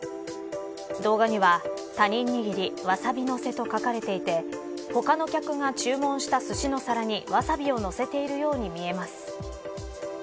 動画には、他人握りわさび乗せと書かれていて他の客が注文したすしの皿にわさびを載せているように見えます。